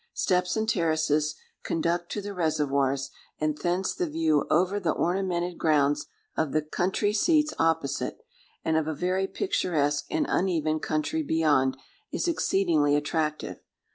Steps and terraces conduct to the reservoirs, and thence the view over the ornamented grounds of the country seats opposite, and of a very picturesque and uneven country beyond, is exceedingly attractive.